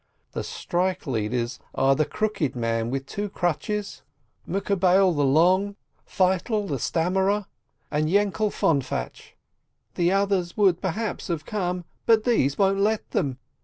The strike leaders are the Crooked Man with two crutches, Mekabbel the Long, Feitel the Stammerer, and Yainkel Fonf atch ; the others would perhaps have come, but these won't let them.